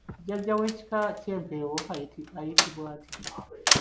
Jjajja w’ekika ky’empeewo ayitibwa atya?